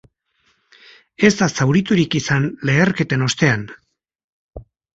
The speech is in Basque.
Ez da zauriturik izan leherketen ostean.